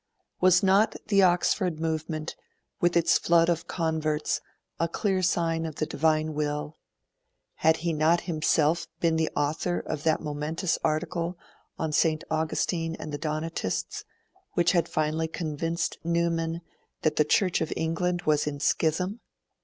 Was not the Oxford Movement, with its flood of converts, a clear sign of the Divine will? Had he not himself been the author of that momentous article on St. Augustine and the Donatists, which had finally convinced Newman that the Church of England was in schism?